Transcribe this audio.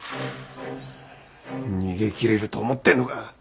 逃げ切れると思ってんのか？